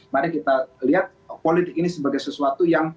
mari kita lihat politik ini sebagai sesuatu yang